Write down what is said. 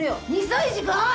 ２歳児か！？